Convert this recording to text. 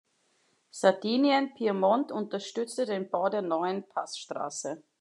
Sardinien-Piemont unterstützte den Bau der neuen Passstrasse.